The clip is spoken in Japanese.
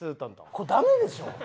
これダメでしょ。